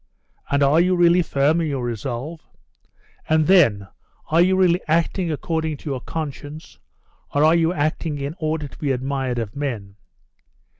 And are you really firm in your resolve? And then, are you really acting according to your conscience, or are you acting in order to be admired of men?"